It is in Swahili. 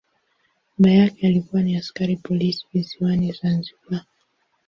Baba yake alikuwa ni askari polisi visiwani Zanzibar.